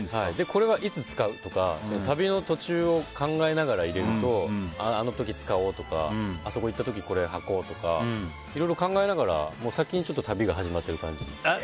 これはいつ使うとか旅の途中を考えながらあの時、使おうとかあそこ行った時これをはこうとかいろいろ考えながら先にちょっと旅が始まってる感じ。